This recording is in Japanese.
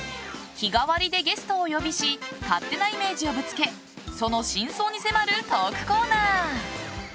日替わりでゲストをお呼びし勝手なイメージをぶつけその真相に迫るトークコーナー。